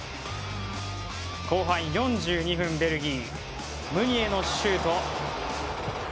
後半４２分、ベルギームニエのシュート。